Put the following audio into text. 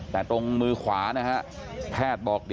แต่ตรงมือขวางิ่งแทฟบอก